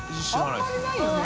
あんまりないよね？